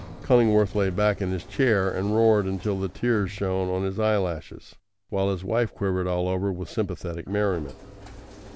Cullingworth lay back in his chair and roared until the tears shone on his eyelashes, while his wife quivered all over with sympathetic merriment.